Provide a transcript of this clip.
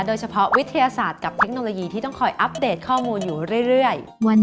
โดยเฉพาะวิทยาศาสตร์กับเทคโนโลยีที่ต้องคอยอัปเดตข้อมูลอยู่เรื่อย